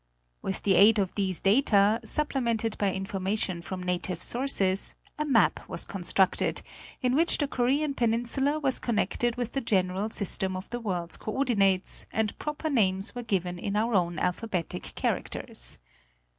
With the aid of these data, supple mented by information from native sources, a map was constructed, in which the Korean peninsula was connected with the general system of the world's coérdinates and proper names were given in our own alphabetic characters.